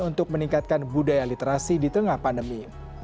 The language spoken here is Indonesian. untuk meningkatkan budaya literasi di tengah pandemi